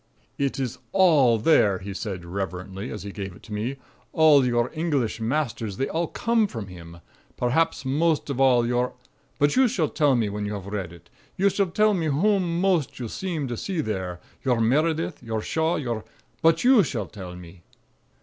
"It is all there," he said reverently, as he gave it to me. "All your English masters, they all come from him. Perhaps, most of all, your But you shall tell me when you have read it. You shall tell me whom most you seem to see there. Your Meredith? Your Shaw? Your But you shall tell me."